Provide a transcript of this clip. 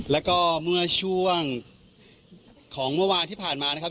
แล้วก็เมื่อช่วงของเมื่อวานที่ผ่านมานะครับ